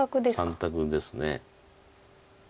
３択です。